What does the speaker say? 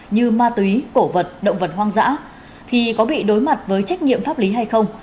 như ma túy cổ vật động vật hoang dã thì có bị đối mặt với trách nhiệm pháp lý hay không